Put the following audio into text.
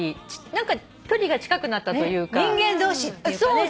人間同士っていうかね。